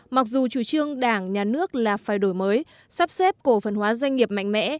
mặc dù chủ trương đảng nhà nước là phải đổi mới sắp xếp cổ phần hóa doanh nghiệp mạnh mẽ